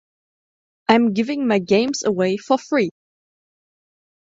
I'm giving my games away for free.